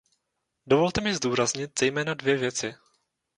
Dovolte mi zdůraznit zejména dvě věci.